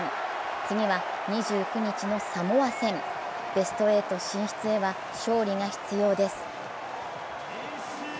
次は２９日のサモア戦、ベスト８進出へは勝利が必要です。